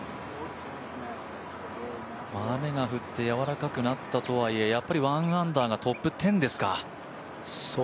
雨が降ってやわらかくなったとはいえ、１アンダーがトップ１０ですか。